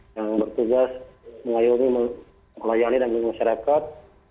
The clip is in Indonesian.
yang bertugas mengayomi melayani dan bingung masyarakat